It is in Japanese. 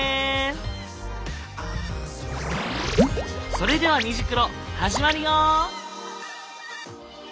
それでは「虹クロ」始まるよ！